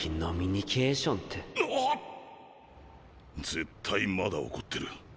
絶対まだ怒ってる。